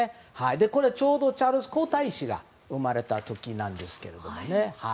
ちょうどチャールズ皇太子が生まれた時なんですけどね。